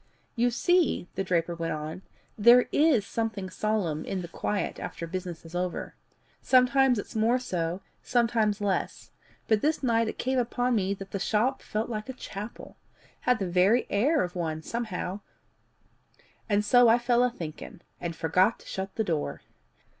"You see," the draper went on, "there IS something solemn in the quiet after business is over. Sometimes it's more so, sometimes less; but this night it came upon me that the shop felt like a chapel had the very air of one somehow, and so I fell a thinking, and forgot to shut the door.